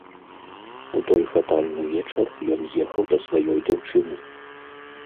У той фатальны вечар ён ехаў да сваёй дзяўчыны.